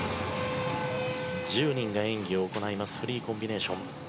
１０人が演技を行いますフリーコンビネーション。